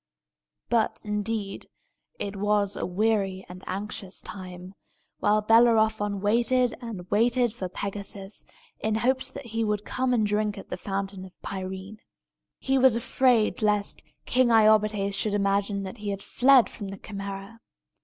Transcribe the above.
But, indeed, it was a weary and anxious time, while Bellerophon waited and waited for Pegasus, in hopes that he would come and drink at the Fountain of Pirene. He was afraid lest King Iobates should imagine that he had fled from the Chimæra.